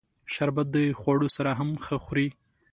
شربت د خوړو سره هم ښه خوري